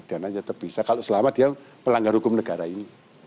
dan hanya terpisah kalau selama dia melanggar hukum negara ini